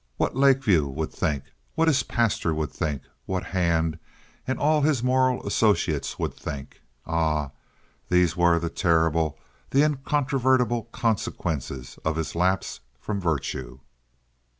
What Lake View would think, what his pastor would think, what Hand and all his moral associates would think—ah, these were the terrible, the incontrovertible consequences of his lapse from virtue.